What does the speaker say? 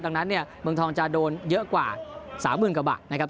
ดังนั้นเนี่ยเมืองทองจะโดนเยอะกว่า๓๐๐๐กว่าบาทนะครับ